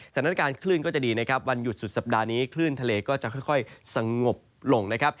สถานการณ์คลื่นก็จะดีนะครับวันหยุดสุดสัปดาห์นี้คลื่นทะเลก็จะค่อยสงบลงนะครับ